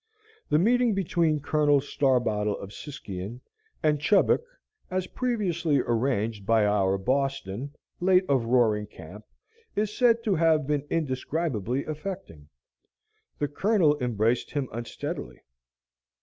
The meeting between Colonel Starbottle of Siskyion and Chubbuck, as previously arranged by our "Boston," late of Roaring Camp, is said to have been indescribably affecting. The Colonel embraced him unsteadily.